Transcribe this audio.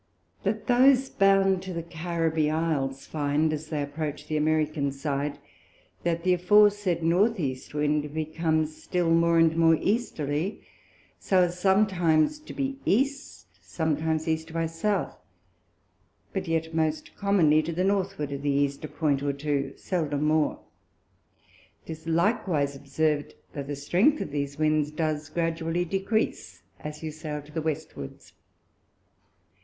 That those bound to the Caribbee Isles, find, as they approach the American side, that the aforesaid North East Wind becomes still more and more Easterly, so as sometimes to be East, sometimes East by South, but yet most commonly to the Northward of the East a Point or two, seldom more. 'Tis likewise observ'd, that the strength of these Winds does gradually decrease, as you sail to the Westwards.